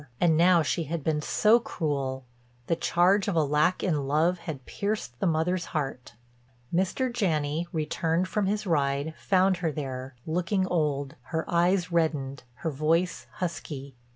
And now she had been so cruel; the charge of a lack in love had pierced the mother's heart. Mr. Janney, returned from his ride, found her there, looking old, her eyes reddened, her voice husky.